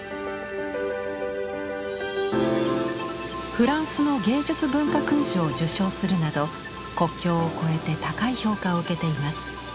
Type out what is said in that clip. フランスの芸術文化勲章を受章するなど国境をこえて高い評価を受けています。